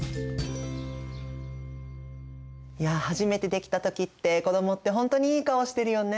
いや初めてできた時って子どもってほんとにいい顔してるよね。